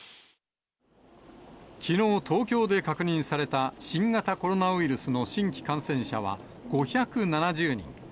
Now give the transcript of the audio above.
きのう東京で確認された、新型コロナウイルスの新規感染者は５７０人。